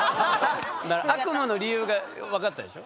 悪夢の理由が分かったでしょ？